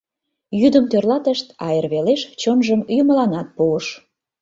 — Йӱдым тӧрлатышт, а эр велеш чонжым юмыланат пуыш...